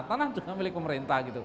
tanah juga milik pemerintah